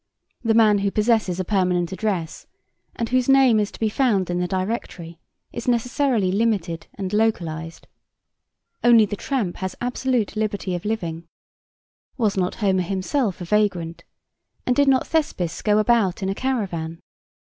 The man who possesses a permanent address, and whose name is to be found in the Directory, is necessarily limited and localised. Only the tramp has absolute liberty of living. Was not Homer himself a vagrant, and did not Thespis go about in a caravan?